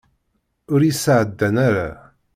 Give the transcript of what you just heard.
Ur yi-sεeddan ara.